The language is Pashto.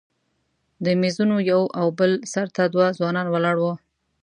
د میزونو یو او بل سر ته دوه ځوانان ولاړ وو.